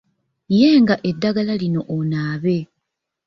Yenga eddagala lino onaabe.